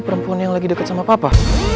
perempuan yang lagi dekat sama papa